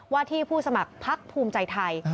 ที่ผู้สมัครพักภูมิใจไทย